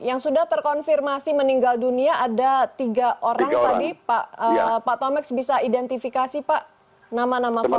yang sudah terkonfirmasi meninggal dunia ada tiga orang tadi pak tomeks bisa identifikasi pak nama nama korban